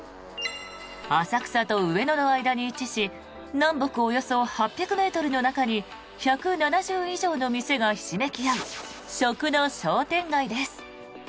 浅草と上野の間に位置し南北およそ８００ｍの中に１７０以上の店がひしめき合う食の商店街です。